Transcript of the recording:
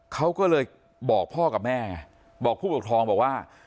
เขาก็เลยบอกพ่อกับแม่ไงบอกผู้ปกครองบอกว่า